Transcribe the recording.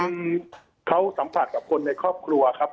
คือเขาสัมผัสกับคนในครอบครัวครับ